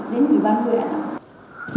đến ubnd ạ